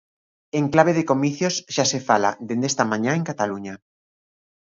En clave de comicios xa se fala dende esta mañá en Cataluña.